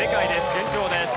順調です。